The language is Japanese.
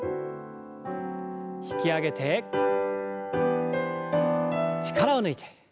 引き上げて力を抜いて。